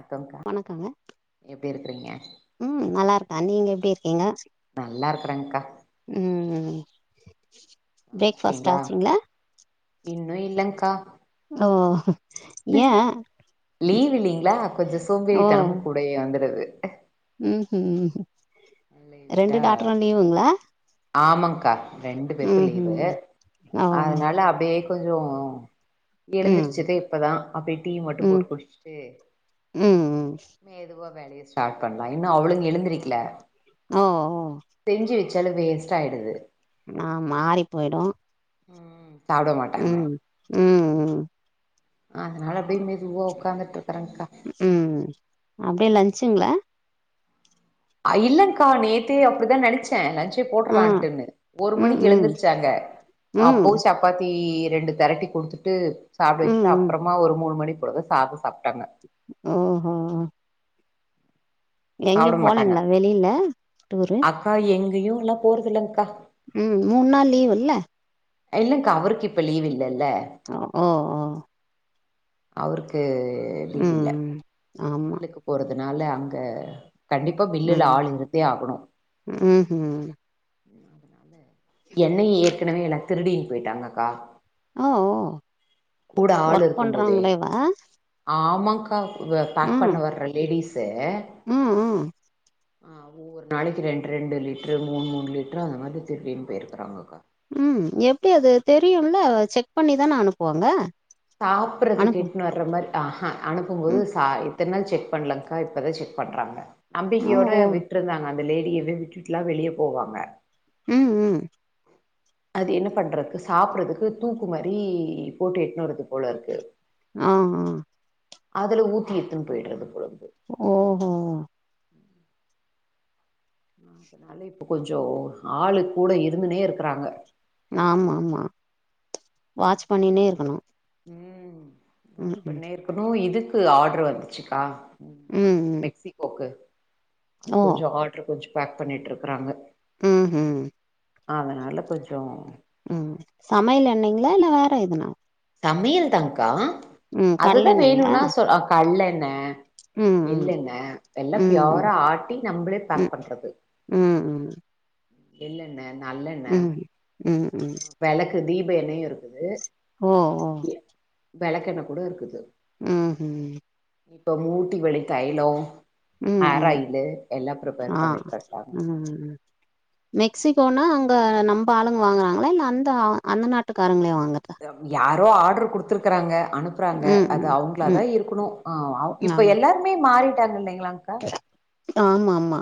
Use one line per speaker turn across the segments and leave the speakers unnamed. வணக்கம்கா
வணக்கங்க
எப்டி இருக்கிறீங்க
ம் நல்லா இருக்க நீங்க எப்டி இருக்கீங்க
நல்லா இருக்கறேங்க்கா
ம் ம்
[unintelligible] இன்னு இல்லேகா
ஓ ஏ
லீவு இல்லேங்களா கொஞ்சோ
ஓ
சோம்பேறித்தனமு கூட வந்துடுது
ம் ஹூம் ம்
லீவ்
ரெண்டு
விட்டா
டாட்டரூ லீவுங்ளா
ஆமாங்க்கா ரெண்டு பேருக்கூ லீவு
ம் ஓ
அதனால அப்டியே கொஞ்சொ
ம்
எழுந்தருச்சேதே இப்பதா அப்டிய டீ மட்டு
ம்
போட்டு குடிச்சுட்டு
ம் ம்
மெதுவா வேலயா ஸ்டார்ட் பண்ல இன்னு அவளுங்க எழுந்திருகல
ஓ ஓ
செஞ்சு வச்சாலு வேஸ்ட்டாய்டுது
ஆமா ஆறி போயிடு
ம் சாப்ட மாட்டாங்க
ம் ம் ம்
அதனால அப்டியே மெதுவா ஒக்காந்துட்டு இருக்றக்கா
ம் அப்டியே லன்ச்சுங்ளா
ஐ இல்லங்க்கா நேத் நேத்தே அப்டிதா நெனச்சே லஞ்சே
ஆ
போட்லான்ட்டு ஒரு
ம்
மணிக்கு
ம்
எழுந்திருச்சாங்க அப்ப
ம்
சாப் சாப்பாத்தி ரெண்டு தெரட்டி குடுத்துட்டு சாப்பிட
ம்
வச்சுட்டு
ம்
அப்றமா ஒரு மூணு மணி போல சாத சாப்ட்டாங்க
ஆஹ எங்கயு
சாப்ட
போனீங்ளா வெளில டூரு
அ எங்கேயு இல்ல போறதில்லக்கா
ம் மூணு நாள் லீவூல்ல
இல்லக்கா அவருக்கு இப்ப லீவ் இல்லேல்ல
ஓ ஓ
அவருக்கு லீவ் இல்ல
ம் ஆமா.
மிர்லுக்கு போறதுனால அங்க கண்டிப்பா மில்லுல ஆள் இருத்தே ஆகணு
உகூம்
எண்ணய ஏற்கனவே எல்லா திருடிடு போயிட்டாங்கக்கா
ஓ!
கூட ஆள்
ஒர்க்
இருக்குபோதே
பண்றாங்களேவா?
ஆமாங்க்கா பேக்
ம்.
பண்ண வர்ற லேடிஸு
ம் ம்
ஆ ஒவ்வொரு நாளக்கு ரெண்டு ரெண்டு லிட்ரு மூணு மூணு லிட்ரு அந்த மாரி திருடினு போய்ருக்கிறாங்கக்கா
ம் எப்டி அது தெரியுல்ல செக் பண்ணிதானே அனுப்புவாங்க
சாப்ட்றது
அனுப்பு
எட்டுன் வர்ற மாரி ஆக அனுப்பு போது
ம்.
சா இத்தன நாள் செக் பண்ணலங்க இப்பத செக் பண்றாங்க
ஓ!
நம்பிக்கையோட
ஓ!
விட்ருந்தாங்க அந்த லேடிய விட்டுட்டுலா வெளியே போவாங்க
ம் ம்
அது என்ன பண்றதுக்கு சாப்டறதுக்கு தூக்கு மாரி போட்டு எட்டுனுவர்துக்கு போலருக்கு
ஆ ஆ
அதுல ஊத்தி எத்துன்னு போயிடுறது போலருக்கு
ஓஹோ
அதனால இப்போ கொஞ்சோ ஆளு கூட இருந்துனே இருக்கறாங்க
ஆமா ஆமா வாட்ச் பண்ணினே இருக்கணு
ம் பண்ணிற்கனு இதுக்கு ஆட்ரு வந்துச்க்கா
ம், ம்.
மெக்ஸி கோக்கு அது
ஓ!
கொஞ்சொ ஆர்ட்ரு கொஞ்சொ பேக் பண்ணிட்ருக்றாங்க
ம் ம்
அதனால கொஞ்சோ
ம் சமையல் எண்ணெங்ளா இல்ல வேற எதுனா
சமையல் தாங்க்கா
ம்.
அதுதா
கடல எண்ணெய்ங்களா?
வேணுனா சொ கல்லெண்ண
ம், ம்.
எள்ளெண்ண எல்லா
ம், ம்.
பியோரா ஆட்டி நம்ளே பேக் பண்றது
ம் ம்
எள்ளெண்ண நல்லெண்ண
ம். ம், ம்.
வெளக்கு தீப எனையும் இருக்குது
ஓ ஓ
வெளக்கெண்ண கூட இருக்குது
ம் ம்
இப்போ மூட்டி வலி தைலோ
ம்
ஹேர்
ம்
ஆயிலு எல்லாம் ப்ரிப்பேர்
ஆ
பண்ணிட்டு இருக்கோ
ம் மெக்சிகோனா அங்கே நம்ப ஆளுங்க வாங்குறாங்களா இல்ல அந்த அந்த நாட்டுக்கருங்களே வாங்குற்தா
யாரோ ஆர்டர் கொடுத்துருக்கறாங்க அனுப் றாங்க
ம்
அது
ம்
அவங்கள
ம்
தான் இருக்கணு
ஆ
இப்ப எல்லாருமே மாறிட்டாங்க இல்லைங்களா அங்க
ஆமா ஆமா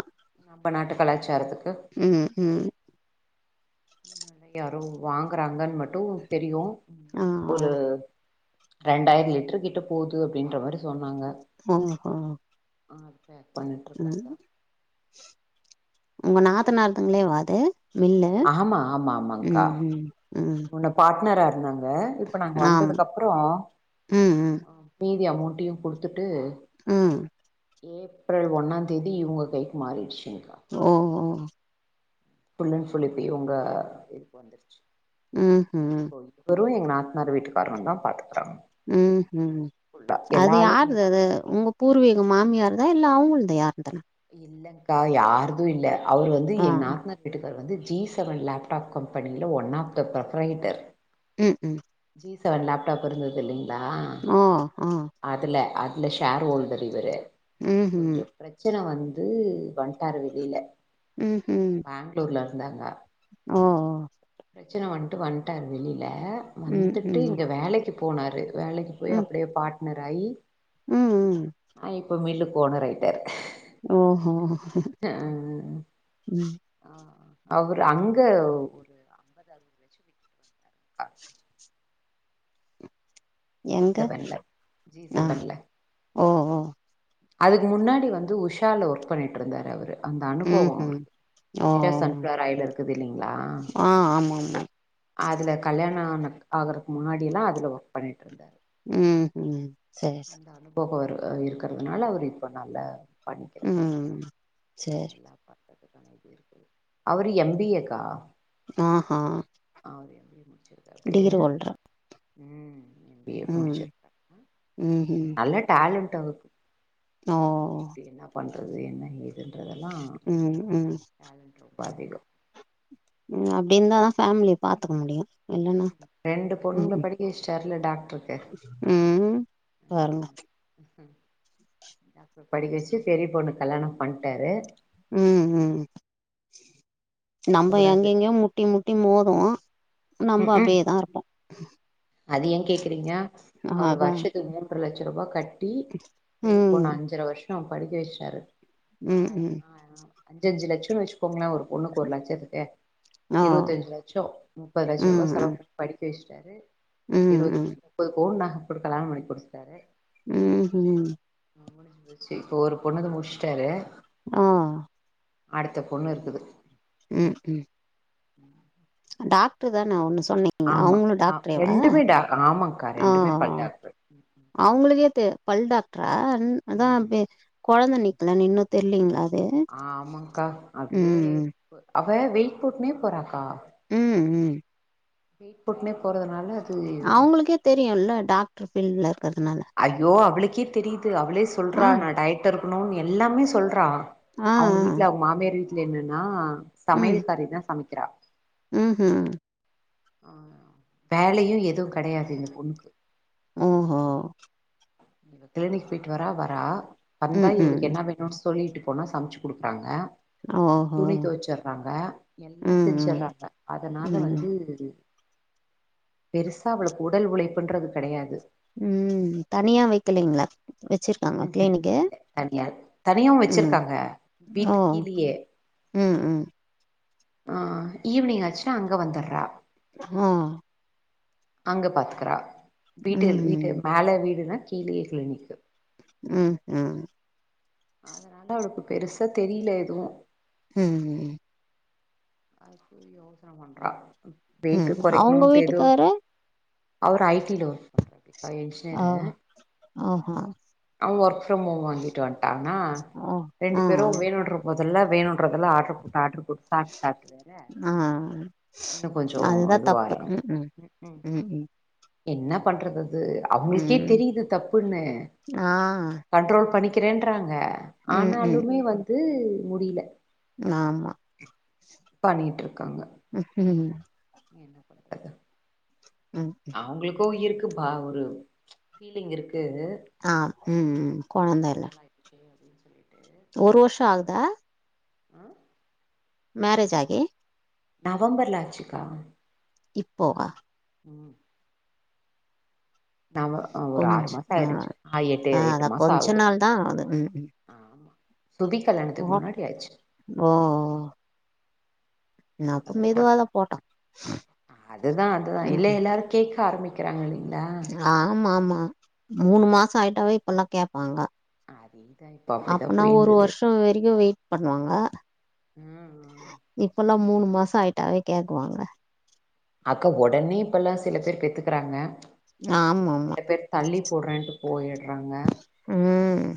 நம்ப நாட்டு கலாச்சாரத்துக்கு
ம் ம்
யாரோ வாங்குறாங்கன்னு மட்டு தெரியும்
ஆ ஆ
ஒரு ரெண்டாயிர லிட்டர் கிட்ட போது அப்டின்ற மாரி சொன்னாங்க
ஓ ஹோ
அது பேக் பண்ணிட்டுருக்கறதா
உங்க நாத்தநார்துங்களே வா அது மில்லு
ஆமா ஆமா ஆமாங்க்கா
ம் ம் ம்
முன்ன பார்ட்னரா இருந்தாங்க இப்ப நாங்க
ஆமா
வந்ததுக்கு அப்றோ
ம் ம்
மீதி அமௌண்ட்டையும் கொடுத்துட்டு
ம்
ஏப்ரல் ஒன்ந்தேதி இவங்க கைக்கு மாறிடுச்சுங்க
ஓ ஓ
ஃபுல்லன் ஃபுல் இப்ப இவங்க இதுக்கு வந்துருச்சு
ம் ம்
வெரு எங் நாத்தனார் வீட்டுக்காரரு தான் பாத்துக்குறாங்க
ம் ம் அது
வேலையு
யாருது அது உங்க பூர்வீகம் மாமியார் தா இல்ல அவங்கள்து யருந்தலா
இல்லக்கா யார்தும் இல்ல அவரு வந்து
ஆ
என் நாத்தனார் வீட்டு அவரு வந்து ஜி செவன் லேப்டாப் கம்பெனியில ஒன் ஆஃப் த பிரபரைட்டர்
ம் ம்
ஜி செவன் லேப்டாப் இருந்தது இல்லைங்களா
ஆ ஆ
அதுல அதுல ஷேர் ஹோல்டர் இவரு கொஞ்ச பெர்ச் பிரச்சன வந்து வண்டாரு வெளில
ம் ம்
பெங்களூர்ல இருந்தாங்க
ஓ
பிரச்சன வந்ட்டு வந்ட்டாரு வெளியில வந்துட்டு இங்க வேலைக்கு போனாரு வேலைக்கு போய் அப்படியே பாட்னர் ஆயி அ இப்ப மீல்லுக் ஓனர் ஆய்ட்டார்
ஓஹோ ம்
அவுரு அங்க ஒரு ஐம்பது அறுபது லட்சம் வ ஜி
எங்க?
செவன்ல ஜி
ஆ,
செவன்ல
ஓ ஓ
அதுக் முன்னாடி வந்து உஷால ஒர்க் பண்ணிட்ருந்தாரு அவுரு அந்த அனுபவோ
ம்ஹ்ம். ஓ!
ஷா சன்ஃப்ளவர் ஆயில் இருக்குது இல்லைங்களா
ஆ, ஆமாமா.
அதுல கல்யாண ஆன ஆகறக் முன்னடியெல்லா அதுல ஒர்க் பண்ணிட்டுருந்தார்
ம் ம் சரி சர
போக வர இருக்கிறதுனால அவுரு இப்ப நல்ல
ம் சேரி
அவுரு எம் பி ஏ க்கா
ஆஹா
அவரு எம் பி ஏ முடிச்சிருக்காரு அப்படியே
டீரோல்டர்.
ம் எம் பி ஏ முடிச்சிரு
ம்ஹ
டேலண்ட்டு அவுரு என்ன பண்றது என்ன ஏ துன்றதெல்லா
ம், ம்.
டேலண்ட் ரொம்ப அதிகோ
ம் அப்படி இருந்தாதா ஃபேமிலிய பாத்துக் முடியு
ம் ரெண்டு பொண்ணுங்ல படிக்க வெச்டார்ல டாக்ட்ருக்கு
வேற என்ன
ம் படிக்க வச்சு பெரிய பொண்ணுக் கல்யாணம் பண்ட்டாரு
ம் ம் நம்ப
கூடாது
எங்கெங்க முட்டி முட்டி மோது நம்ப
ம் ம்
அப்படியேதா இருப்போ
அது ஏ கேக்குறீங்கா அவரு
அதா
வர்ஷத்துக் முன்ற லட்சரூவா கட் டி பெரிய
ம்
பொண்ண அஞ்சர வர்ஷோ படிக்க வச்சாரு
ம் ம்
அஞ்சு அஞ்சு லட்சோ வச்சுக்கோங்களே ஒன்னுக்கு ஒரு லட்சத்துக்கு
ஆ
இருவத்தஞ் லட்சோ முப்பது லட்சரூவா
ம் ம்
செலவு படிக்க வச்சுட்டாரு
ம்
இருவத்
ம்
முப்பது பவுண் நக குடுக்கலான் [unintelligible] புடுஸ்ட்டாரு
ம் ம்
முடுஞ்சு போச்சு இப்போ ஒரு பொண்ணுக்கு முடுஸ்ட்டாரு
ஆ
அடுத்த பொண்ணு இருக்குது
ம் ம்
[inaudible] ம்
டாக்டர் தானே ஒண்ணு சொன்னே அவுங்களு
ஆ
டாக்ட்ரேவா
ரெண்டுமே டா ஆமாக்கா
ஓ
ரெண்டுமே பல் டாக்டர்
அவுங்களுதே தெ பல் டாக்ட்ரா அதா
ம்
ப்பே கொழந்த நிக்கலன்னு இன்னு தெரிலீங்களா அது
ஆமாங்க்கா அப்படியே
ம்
அவ வெயிட் போட்னே போறாக்கா
ம் ம்
வெயிட் போட்டுனே போறதுனால அது
தெரியும் இல்ல டாக்டர் ஃபீல்ட்ல இருக்கிறதுனால
ஐயோ அவளுக்கே தெரியுது அவளே
ஆ
சொல்றா நா டயக்ட் இருக்கணும்னு எல்லாமே சொல்றா
ஆ ஆ
அவங்க வீட்ல அவங்க மாமியார் வீட்ல என்னன்னா சமையல் காரிதா சமைக்கிறா
ம் ம்
வேலையு எதுவு கிடையாது இந்த பொண்ணுக்கு
உஹோ
இவ கிளினிக் போயிட்டு வரா வரா வந்தா
ம் ம்
இவளுக்கு என்ன வேணும்னு சொல்லிட்டு போனா சமைச்சு குடுக்குறாங்க
ஓஹோ
துணி துவச்சிறாங்க எல்லாம்
ம் ம்
செஞ்சறாங்க அதனால
ம்
வந்து பெருசா அவளுக்கு உடல் உழைப்புன்றது கிடையாது
ம் தனியா வைக்கலைங்களா வச்சிரு
ம் இல்ல தனியா தனியாவு
ம்
வச்சிருக்காங்க
ஓ
வீட்டுக்கு கீழேயே
ம் ம்
ஆ ஈவினிங் ஆச்சுன்னா அங்க வந்துடுறா
ஆ
அங்க பாத்துக்கறா வீட்டு
ம்
வீட்டு
ம்
மேல வீடுனா கீழே கிளினிக்கு
ம் ம்
அதனால அவளுக்கு பெருசா தெரியல எதுவு
ம்
வெயிட்ட
ம் அவங்க
குறைக்கணும்ட்டு எதோ
வீட்டுக்காரு
அவரு ஐ டி ல ஒர்க் பண்றாப்பா இன்ஜினியரு
ஆஹா
அவ ஒர்க் ஃப்ரம் ஹோம் வாங்கிட்டு வந்துட்டானா
ஓ
ரெண்டு
ஆ
பேரும் வேணும்ன்ற போதல்ல வேணும்ன்றதல்ல ஆடர்ரு போட்டு ஆடர்ரு போட்டு சாப்ட்டு சாப்ட்டு வேற
ஆ
இன்னு கொஞ்சோ
அதுதா தப்பு
இதுவாறாங்க
உம்
ம்ஹூம்
உம்
என்ன பண்றது அது
ம்
அவங்களுக்கே
ம்
தெரியுது தப்புன்னு
ஆ
கண்ட்ரோல் பண்ணிக்கிறேன்றாங்க
ம் ம்
ஆனாலுமே வந்து முடியல
ஆமா ம்
நீ என்ன பண்ற
ம்
அவங்களுக்கு இருக்கு பா ஒரு ஃபீலிங் இருக்கு
ஆ ம் ம் கொழந்த
இவ்ளோ
இல்ல
நாள்‌ ஆச்சே அப்டின்னு சொல்லிட்டு
ஒரு வருஷ ஆகுதா
ஆ
மேரேஜ் ஆகி
நவம்பர்ல ஆச்சுக்கா
இப்போவா
ம் நாம ஒரு ஆறு
கொஞ்ச
மாசம்
ஆ
ஆயிடுச்சு ஆஹ் எட்டு எட்டு
அதா
மாசம்
கொஞ்ச
ஆகுது
நாள் தா ஆகுது
ம் ஆமா சுபி கல்யாணத்துக்கு
போட்டோ
முன்னாடி ஆயிச்சு
ஓ நா அப்ப
[unintelligible]
மெதுவாதா போட்டோ
அதுதா அதுதா
ம்
இல்ல எல்லாரு கேட்க ஆரம்பிக் வேங்கினீங்களா
ஆம்மா ஆம்மா மூணு மாச ஆயிட்டாவே இப்பல்லா கேட்பாங்க
அதேதா இப்ப அப்டிதா
அப்பனா ஒரு
போயினுக்குது
வருஷ வரைக்கும் வெயிட் பண்ணுவாங்க
ம்
இப்பல்லா மூணு மாசோ ஆயிட்டாவே கேக்குவாங்க
அக்கா ஒடனே இப்பல்லா சில பேரு பெத்துக்குறாங்க
ஆமாம்மா
இதே தள்ளி போட்றேன்ட்டு போயிட்றாங்க
ம்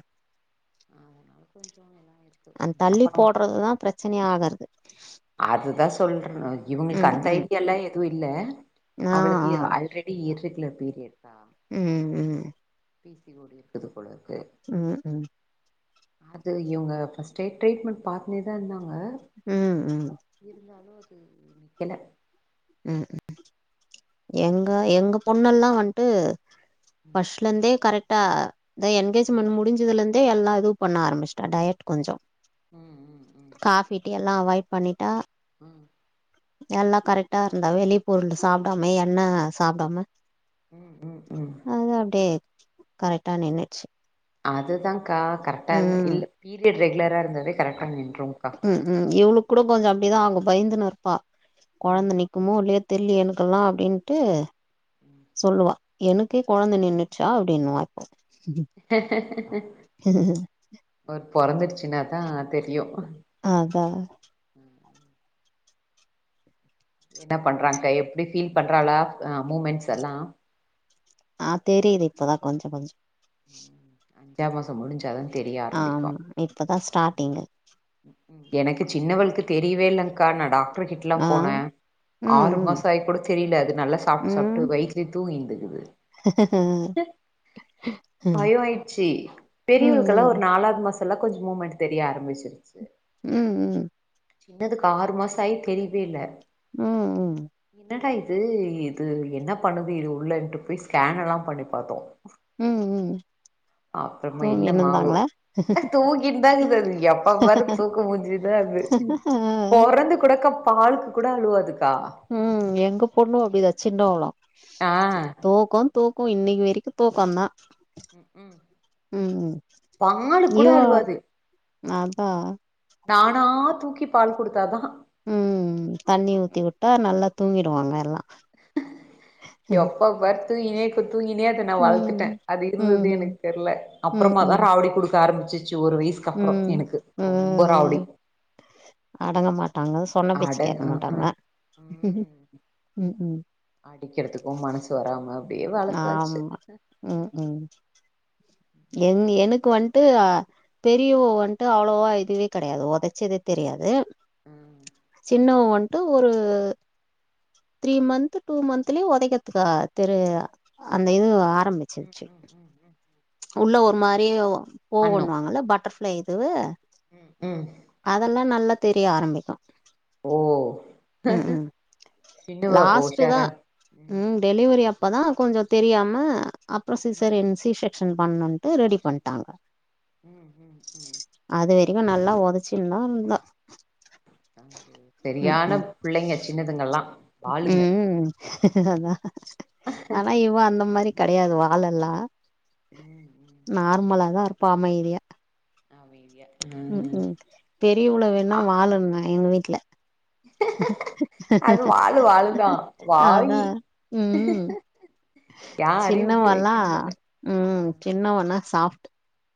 அதனால கொஞ்சோ நல்லா
அந்த தள்ளி போடுறது தா பிரச்சனையா ஆகுறது
அதுதா சொல்ற இவுங்களுக்கு
ம்
அந்த
ம்
ஐடியல்லா எதுவு இல்ல
ஆ
அவளுக்கு
ஆ
ஆல்ரெடி ப்பிடி இர்ரெகுலர் பீரியட்டா
ம் ம்
இருக்குது போலருக்கு
ம் ம்
அது இவுங்க ஃபஸ்ட்டே ரீட்மெண்ட் பாத்துனே தா இருந்தாங்க
ம் ம்
இருந்தாலு அது நிக்கல
ம் ம்
ஆ, அது
எங்க எங்க பொண்ணல்லா வந்ட்டு
ம்
ஃபர்ஸ்ட்லருந்தே கரெக்டா
ம்
என்கேஜ்மெண்ட் முடிஞ் துலேந்தே எல்லா இது பண்ண ஆரமிச்சுட்டா டயட் கொஞ்ச
ம் ம்
காப்பி டீ எல் ல்லா அவாய்ட் பண்ணிட்டா
ம்
நல்லா கரெக்டாருந்தா வெளி பொருள் சாப்டாமே எண்ண சாப்டாம
ம் ம் ம் ம்
அது அப்டியே கரெக்டா நின்னுருச்சு
அதுதாங்கா கரெக்டாருந்
ம்
இல்ல பீரியட் ரெகுலராக இருந்ததே கரெக்டா நின்றுங்கா
ம் ம் இவுளுக்கு கூட கொஞ்சோ அப்படிதா ஆகு பயந்துன்னுருப்பா
ம்
கொழந்த நிக் குமோ இல்லையே தெர்லியே எனக்கலா அப்டின்ட்டு
ம்.
சொல்லுவா எனக்கே கொழந்த நின்னுச்சா அப்டின்னுவாப்போ
ஒரு பொறந்துடுச்சுனாதா தெரியு
அதா
என்ன பண்றாங்க்க எப்படி ஃபீல் பண்றாளா மூமெண்ட்ஸ்ல்லா
ஆ தெரியுது இப்பதா கொஞ்சோ கொஞ்சோ
அஞ்சா மாசோ முடிஞ்சு தவந்த் தெரியா
ஆமா இப்பதா ஸ்டார்டிங்கு
எனக்கு சின்னவளுக்கு தெரியவே இல்லக்கா நா டாக்டர் கிட்டல்லா
ஆ
போனே
ம்
ஆறு
ம்
மாஷோ ஆய் கூட தெரியல அது நல்லா சாப்ட்டு சாப்ட்டு
ம்
வயித்துலே தூங்கிந்துக்குது
ம்
பயே ஆயிட்ச்சு
ம்
பெரியவளுக்கெல்லா
ம்
ஒரு நாலாவது மாஸ் இப்ல்லா கொஞ்சோ மூமெண்ட் தெரிய ஆரம்பிச்சிருச்சு
ம் ம்
சின்னதுக்கு ஆறு மாசோ ஆகி தெரியவே இல்ல
ம் ம்
என்னடா இது இது என்ன பண்ணுது இது உள்ளன்ட்டு போய் ஸ்கேன் எல்லா பண்ணி பாத்தோ
ம் ம்
அப்பறமா இல்ல மாவு
தூங்கினுந்தாங்களா
அ தூக்கின்னுதாருக்கது அது எப்பா பாரு தூக்கு முஞ்சுதா அது
ம்
பொறந்து கூடக்க பாலுக்கு கூட அழுவாதுக்கா
ம் எங்க பொண்ணு அப்டிதா சின்ணவழு
ஆ
தூக்கோந் தோக்கோ இன்னைக்கி வரைக்கி தூக்கோ தா
ம்
ம்
பாலுக்கு கூட
இவா
அழுவாது
அதா
நானா தூக்கி பால் கொடுத்தாதா
ம் தண்ணி ஊத்தி விட்டா நல்லா தூங்கிடுவாங்க எல்லா ம்
எப்பா பார் தூங்கினே இறுக் தூங்கினே இருக் நா வள்த்துட்டே அது
ம்
இருகுருது
ம்
எனக்கு தெர்ல
ம்
அப்புறமா தா
ம்
ராவடி கொடுக்க ஆரம்பிச் ஞ்சு ஒரு வயசுக்கு அப்புறோ எனக்கு ரொம்ப ராவுடி
ம் அடங்க மாட்டாங்க சொன்ன
அட
பேச்சு கேக்க
அ
மாட்டாங்க
அ ம்
ம் ம்
அடிக்கிறதுக்கு மனசு வராம அப்டியே வளத்தாச்சு
ஆமா ம் ம் என் எனக்கு வன்ட்டு அ பெரியவோ வன்ட்டு அவ்ளோவா இதுவே கெடயாது உதச்சதே தெரியாது
அ
சின்னவோ வன்ட்டு ஒரு த்ரீ மந்த் டூ மந்த்லயே உதக்கத்துக்கு தெரு அந்த இது
ம்
ஆரம்பிச்சிருச்சு
ம் ம் ம்
உள்ள ஒரு மாரியே
பண்ணு
போவண்ணுவாங்கல்ல பட்டர்ஃபிளை இது
ம்
அதெல்லா நல்லா தெரிய ஆரம்பிக்கோ
ஓ
ம் ம்
சின்னவ அப்ப
லாஸ்டு தா
உஷாரா
ம் டெலிவரி அப்பதா கொஞ்சோ தெரியாம அப்றோ
ம்
சீசரியன் சி ஷெக் ஜென் பண்ணுன்ட்டு ரெடி பண்ட்டாங்க
உம் உம் உம்
அது வரைக்கு நல்லா ஒதச்சுனுந்தா இருந்தா ம்
சேரியான
ம்
பிள்ளைங்க சின்னதுங்கள்ளா வாளுங்க
ம் அதா ஆனா இவா அந்த மாரி கிடயாது வாலெல்லா
ம் ம்
நார்மலாதா இருப்பா அமைதியா
அமைதியா
ம் ம் பெரியுவுள வேணா வாலும்பே எங்க வீட்ல
ம் அது வாலு வாலுதா
அதா
வாயி
ம்
யாரையு வுட்டு
சின்னவல்லா
வைக்கன்தில்ல
ம் சின்னவண்ணா சாப்ட்